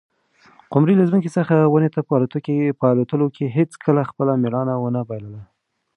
قمرۍ له ځمکې څخه ونې ته په الوتلو کې هیڅکله خپله مړانه ونه بایلله.